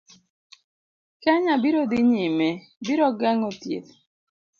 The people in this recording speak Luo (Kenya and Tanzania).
Kenya biro dhi nyime, biro geng'o thieth